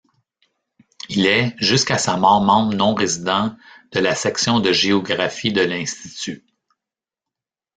Il est jusqu’à sa mort membre non-résident de la section de géographie de l’Institut.